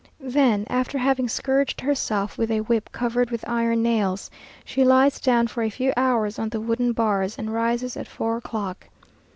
Then, after having scourged herself with a whip covered with iron nails, she lies down for a few hours on the wooden bars, and rises at four o'clock.